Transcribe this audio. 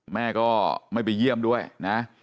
แม่ก็ไม่ไปเยี่ยมด้วยนะ